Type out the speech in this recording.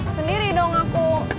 sendiri dong aku